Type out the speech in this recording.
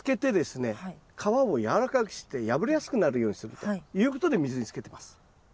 破れやすくなるようにするということで水につけてます。